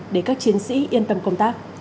để các chiến sĩ yên tâm công tác